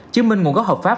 chứng minh nguồn gốc hợp pháp